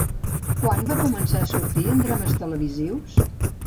Quan va començar a sortir en drames televisius?